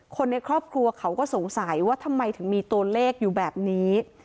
คนในครอบครัวเขาก็สงสัยว่าทำไมถึงมีตัวเลขอยู่แบบนี้